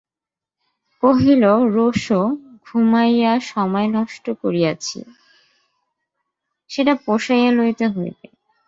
কহিল, রোসো, ঘুমাইয়া সময় নষ্ট করিয়াছি, সেটা পোষাইয়া লইতে হইবে।